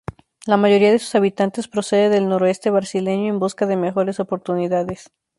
La mayoría de sus habitantes procede del noreste brasileño en busca de mejores oportunidades.